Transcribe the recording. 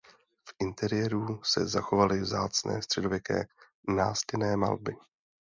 V interiéru se zachovaly vzácné středověké nástěnné malby.